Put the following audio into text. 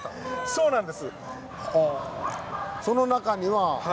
そうなんです。